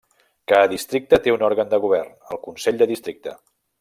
Cada districte té un òrgan de govern, el Consell del Districte.